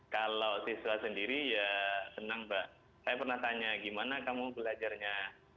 kalau siswa sendiri ya senang mbak saya pernah tanya gimana kamu belajarnya